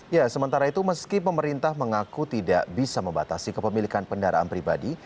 ya sementara itu meski pemerintah mengaku tidak bisa membatasi kepemilikan kendaraan pribadi